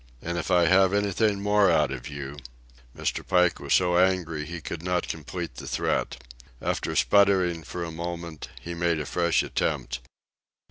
And if I have anything more out of you ..." Mr. Pike was so angry that he could not complete the threat. After spluttering for a moment he made a fresh attempt.